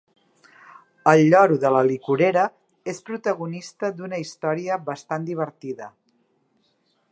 El lloro de la licorera és protagonista d'una història bastant divertida.